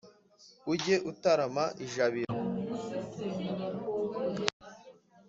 Ujye utarama ijabiro.